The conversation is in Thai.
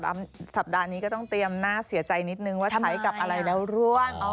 สัปดาห์นี้ก็ต้องเตรียมหน้าเสียใจนิดนึงว่าใช้กับอะไรแล้วร่วง